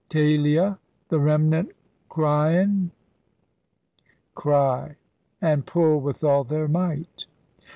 taylia! the remnant cryen [cry] And pull with all their might.